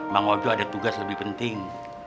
bang wado ada tugas lebih penting